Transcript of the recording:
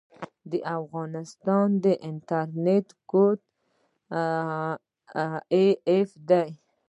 د افغانستان انټرنیټ کوډ af دی